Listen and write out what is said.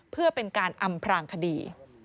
เพื่อเป็นการอำพรางคดี